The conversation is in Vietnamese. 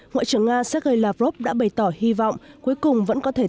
ngoại trưởng nga sergei lavrov đã bày tỏ hy vọng cuối cùng vẫn có thể tham gia